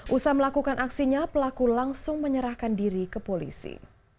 usaha melakukan aksinya pelaku langsung menyerahkan diri ke polisi